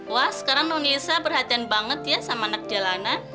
wah sekarang noni lisa perhatian banget ya sama anak jalanan